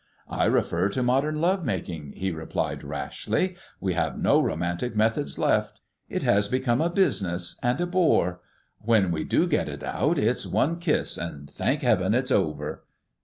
"I refer to modern love making," he replied rashly. "We have no romantic methods left. It has become a business and a bore. When we do get it out it's one kiss and thank Heaven it's over."